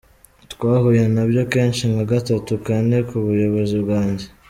Twahuye nabyo kenshi nka gatatu, kane, ku buyobozi bwanjye.